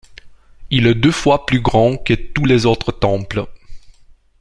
Il est deux fois plus grand que tous les autres temples.